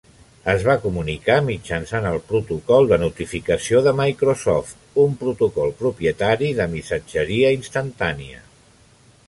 Es va comunicar mitjançant el protocol de notificació de Microsoft, un protocol propietari de missatgeria instantània.